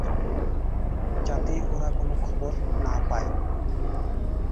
যাতে ওরা কোনো খবর না পায়।